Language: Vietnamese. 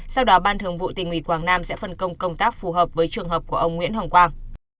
sau đó ban thường vụ tỉnh ủy quảng nam sẽ phân công công tác phù hợp với trường hợp của ông nguyễn hoàng quang